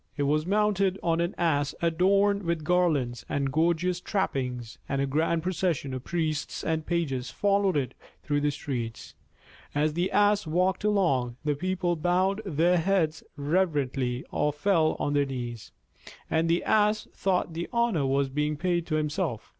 It was mounted on an Ass adorned with garlands and gorgeous trappings, and a grand procession of priests and pages followed it through the streets. As the Ass walked along, the people bowed their heads reverently or fell on their knees, and the Ass thought the honor was being paid to himself.